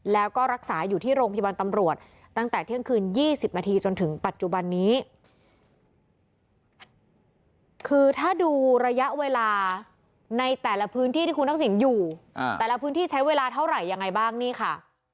แล้วก็รักษาอยู่ที่โรงพยาบาลตำรวจตั้งแต่เที่ยงคืน๒๐นาทีจนถึงปัจจุบันนี้คือถ้าดูระยะเวลาในแต่ละพื้นที่ที่คุณทักษิณอยู่แต่ละพื้นที่ใช้เวลาเท่าไหร่ยังไงบ้างนี่ค่ะ